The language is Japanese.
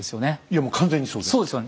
いやもう完全にそうです。